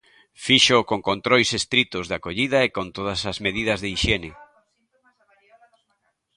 Fíxoo con controis estritos de acollida e con todas as medidas de hixiene.